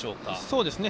そうですね。